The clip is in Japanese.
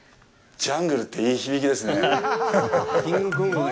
ジャングルっていい響きですね。